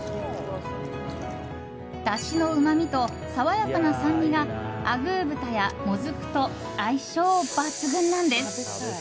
だしのうまみと爽やかな酸味があぐー豚やモズクと相性抜群なんです。